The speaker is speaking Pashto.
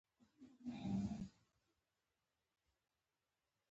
هغه دا چې لیکوالي د زر او زور کار نه دی.